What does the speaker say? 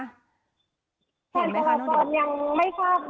เห็นไหมคะโน้นดิว